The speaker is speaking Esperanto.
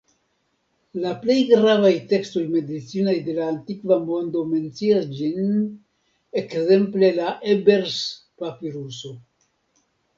La plej gravaj tekstoj medicinaj de la antikva mondo mencias ĝin, ekzemple la Ebers-papiruso.